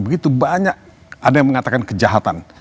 begitu banyak ada yang mengatakan kejahatan